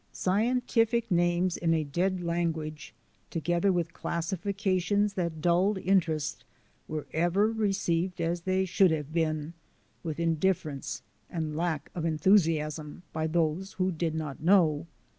Scientific names in a dead language together with classifications that dulled interest were ever received, as they should have been, with indifference and lack of enthusiasm by those who did not know.